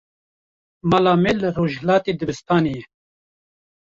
Mala me li rojhilatê dibistanê ye.